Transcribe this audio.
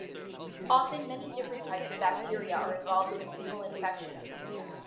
Often many different types of bacteria are involved in a single infection.